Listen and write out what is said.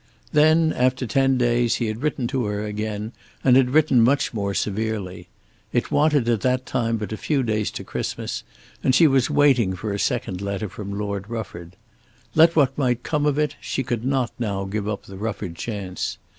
Then, after ten days, he had written to her again and had written much more severely. It wanted at that time but a few days to Christmas, and she was waiting for a second letter from Lord Rufford. Let what might come of it she could not now give up the Rufford chance.